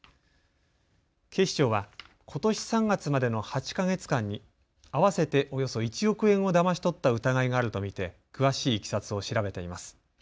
警視庁は、ことし３月までの８か月間に合わせておよそ１億円をだまし取った疑いがあると見て詳しいいきさつを調べています。